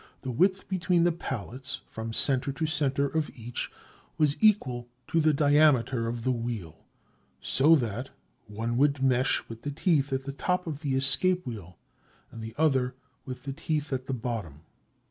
The width between the pallets, from center to center of each, was equal to the diameter of the wheel, so that one would mesh with the teeth at the top of the escape wheel and the other with the teeth at the bottom.